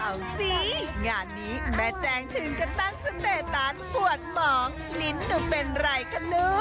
เอาสิงานนี้แม่แจงถึงจะตั้งสเตตัสปวดหมองลิ้นดูเป็นไรคะลูก